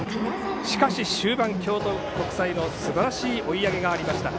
しかし終盤、京都国際のすばらしい追い上げがありました。